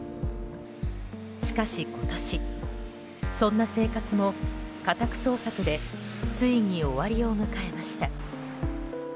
しかし、今年そんな生活も家宅捜索でついに終わりを迎えました。